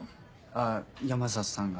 あ山里さんが。